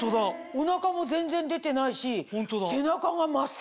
お腹も全然出てないし背中が真っすぐ。